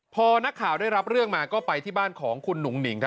พอนักข่าวได้รับเรื่องมาก็ไปที่บ้านของคุณหนุ่งหนิง